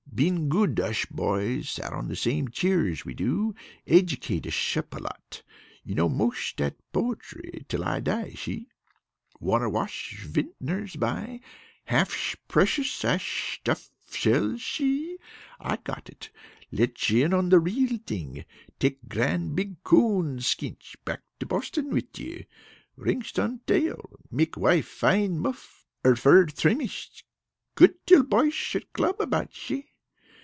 Been good to ush boys. Sat on same kind of chairs we do. Educate ush up lot. Know mosht that poetry till I die, shee? 'Wonner wash vinters buy, halfsh precious ash sthuff shell,' shee? I got it! Let you in on real thing. Take grand big coon skinch back to Boston with you. Ringsh on tail. Make wife fine muff, or fur trimmingsh. Good to till boysh at club about, shee?"